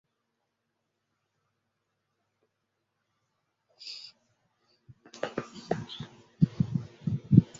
দক্ষিণেশ্বরে ঠাকুরের পা পূজারী ভেঙে ফেলে।